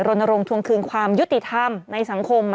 รณรงค์ทวงคืนความยุติธรรมในสังคม